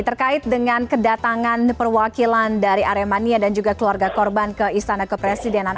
terkait dengan kedatangan perwakilan dari aremania dan juga keluarga korban ke istana kepresidenan